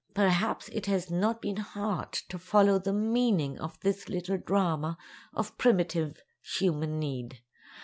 _] Perhaps it has not been hard to follow the meaning of this little drama of primitive human need.